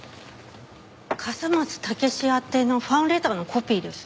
笠松剛史宛てのファンレターのコピーです。